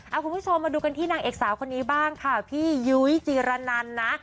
เอาคุณผู้ชมมาดูกันที่นางเอกสาวคนนี้บ้างค่ะพี่ยุ้ยจีรนันนะ